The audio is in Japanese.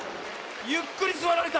ゆっくりすわられた。